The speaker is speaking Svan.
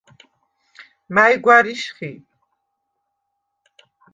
მა̈ჲ გვა̈რიშ ხი?